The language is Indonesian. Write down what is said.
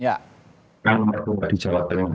yang nomor dua di jawa tengah